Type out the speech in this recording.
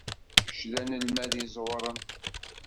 Kečč d anelmad iẓewren.